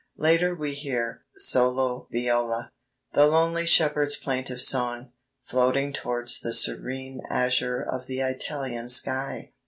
Later we hear (solo viola) "the lonely shepherd's plaintive song, floating towards the serene azure of the Italian sky."